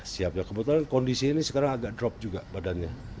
siap ya kebetulan kondisi ini sekarang agak drop juga badannya